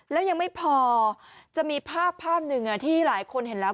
แล้วยังไม่พอจะมีภาพภาพหนึ่งที่หลายคนเห็นแล้ว